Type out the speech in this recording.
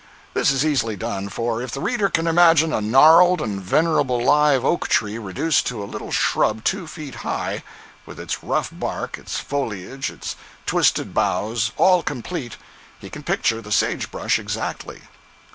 This is easily done, for if the reader can imagine a gnarled and venerable live oak tree reduced to a little shrub two feet high, with its rough bark, its foliage, its twisted boughs, all complete, he can picture the "sage brush" exactly.